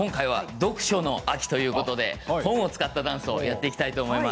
読書の秋ということで本を使ったダンスをやっていきたいと思います。